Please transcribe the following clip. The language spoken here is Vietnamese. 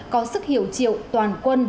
có sức hiểu triệu toàn quân